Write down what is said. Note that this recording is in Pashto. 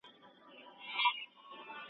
ټولنیز نهاد د ټولنې د ګډ نظم ملاتړ کوي.